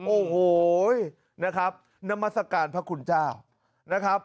โอ้โหนะครับนามัศกาลพระคุณเจ้านะครับ